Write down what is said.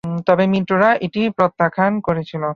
তবে মিত্ররা এটি প্রত্যাখ্যান করেছিল।